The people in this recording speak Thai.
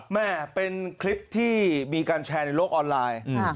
แม่เป็นคลิปที่มีการแชร์ในโลกออนไลน์